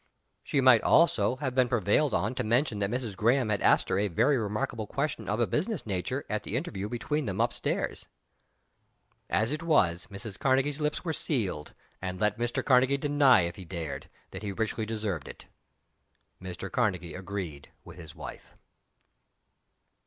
She might also have been prevailed on to mention that "Mrs. Graham" had asked her a very remarkable question of a business nature, at the interview between them up stairs. As it was, Mrs. Karnegie's lips were sealed, and let Mr. Karnegie deny if he dared, that he richly deserved it. Mr. Karnegie agreed with his wife.